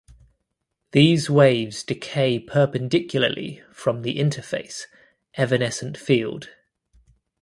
These waves decay perpendicularly from the interface ("evanescent field").